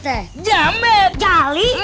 tidak mungkin jatuh aja